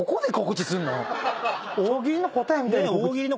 大喜利の答えみたいに。